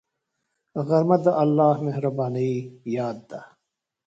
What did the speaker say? غرمه د الله مهربانۍ یاد ده